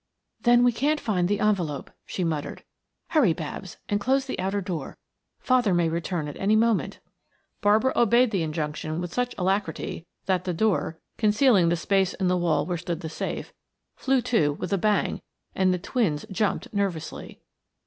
"Then we can't find the envelope," she muttered. "Hurry, Babs, and close the outer door; father may return at any moment." Barbara obeyed the injunction with such alacrity that the door, concealing the space in the wall where stood the safe, flew to with a bang and the twins jumped nervously.